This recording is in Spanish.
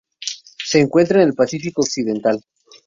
Se encuentra en el Pacífico occidental.